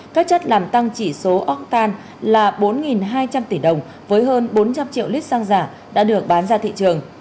các chất làm tăng chỉ số oxtan là bốn hai trăm linh tỷ đồng với hơn bốn trăm linh triệu lít xăng giả đã được bán ra thị trường